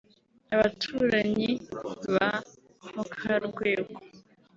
Abaturanyi ba Mukarwego